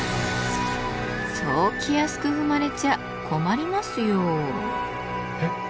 そう気安く踏まれちゃ困りますよ。